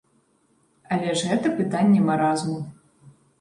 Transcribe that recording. Але ж гэта пытанне маразму.